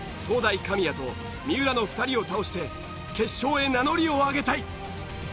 東大神谷と三浦の２人を倒して決勝へ名乗りを上げたい！